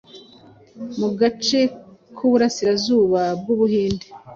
mu gace k’uburasirazuba bw’ubuhinde